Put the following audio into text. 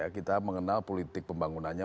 kita mengenal politik pembangunannya